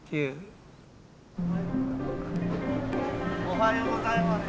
おはようございます。